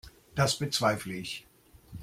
Das bezweifle ich.